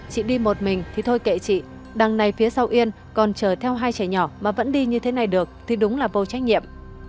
chị đi một mình thì thôi kệ chị đằng này phía sau yên còn chờ theo hai trẻ nhỏ mà vẫn đi như thế này được thì đúng là vô trách nhiệm